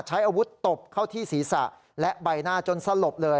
ใช้อาวุธตบเข้าที่ศีรษะและใบหน้าจนสลบเลย